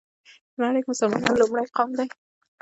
په نړۍ كې مسلمانان لومړى قوم دى